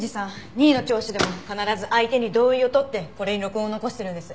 任意の聴取でも必ず相手に同意を取ってこれに録音を残してるんです。